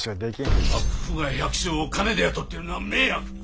幕府が百姓を金で雇っておるのは明白。